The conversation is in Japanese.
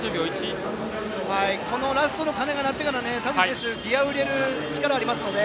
ラストの鐘が鳴ってから田渕選手、ギヤを入れる力がありますので。